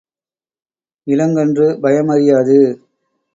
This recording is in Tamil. இளங்கன்று பயமறியாது.